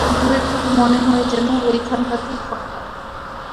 দূরের থেকে মনে হয় যেন ঐখানটাতেই খটকা।